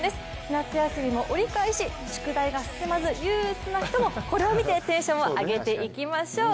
夏休みも折り返し宿題が進まず、憂鬱な人もこれを見てテンションを上げいきましょう。